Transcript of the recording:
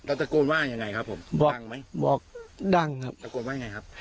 แล้วตะโกนว่ายังไงครับผมบอกดังครับตะโกนว่ายังไงครับ